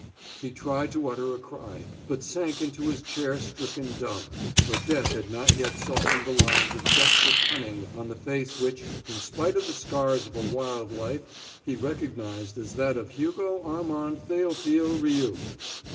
He tried to utter a cry, but sank into his chair stricken dumb; for death had not yet softened the lines of desperate cunning on the face, which, in spite of the scars of a wild life, he recognized as that of Hugo Armand Theophile Rioux.